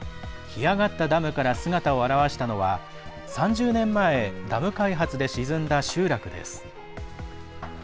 干上がったダムから姿を現したのは３０年前ダム開発で沈んだ集落です。